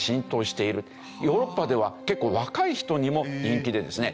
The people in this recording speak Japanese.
ヨーロッパでは結構若い人にも人気でですね